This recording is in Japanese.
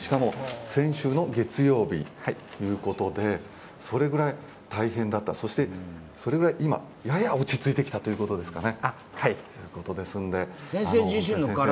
先週の月曜日ということでそれぐらい大変だった、そしてそれぐらい今、やや落ち着いてきたということですかね。